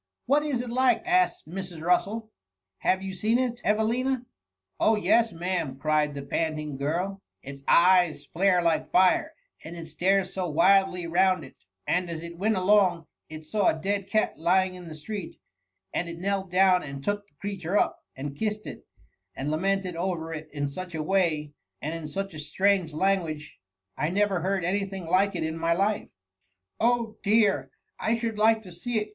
"What is it like?'' asked Mrs. Russel; " have you seen it, Evelina ?•" Oh yes, ma'am r cried the panting girl ;" its eyes flare like fire, and it stares so wildly round it 1 and as it went along, it saw a dead 1^^^^^^ '"< ^m^m THE MUMMY. 297 cat lying in the street : and it knelt down and took the creature up, and kissed it, and la mented over it in such a strange way, and in such a strange language ! I never heard any thing like it in my life.^ ^* Oh, dear ! I should Hke to see it